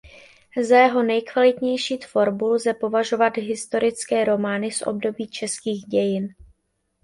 Za jeho nejkvalitnější tvorbu lze považovat historické romány z období českých dějin.